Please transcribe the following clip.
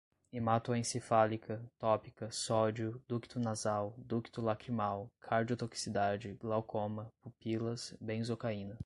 hematoencefálica, tópica, sódio, ducto nasal, ducto lacrimal, cardiotoxicidade, glaucoma, pupilas, benzocaína